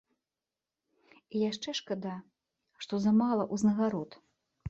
І яшчэ шкада, што замала ўзнагарод.